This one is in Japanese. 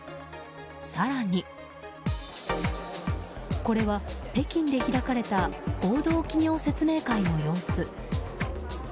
更に、これは北京で開かれた合同企業説明会の様子。